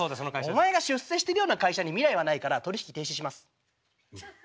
お前が出世してるような会社に未来はないから取り引き停止します。